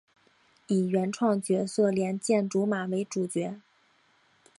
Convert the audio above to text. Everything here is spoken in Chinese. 以原创角色莲见琢马为主角。